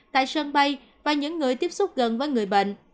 tại sân bay và những người tiếp xúc gần với người bệnh